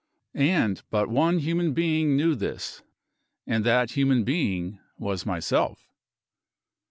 And but one human being knew this. And that human being was myself!